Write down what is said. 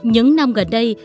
những năm gần đây